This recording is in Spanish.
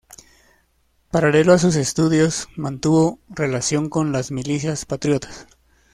Paralelo a sus estudios, mantuvo relación con las milicias patriotas.